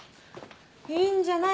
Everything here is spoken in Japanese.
いいんじゃない？